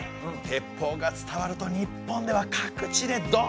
鉄砲が伝わると日本では各地でどんどん。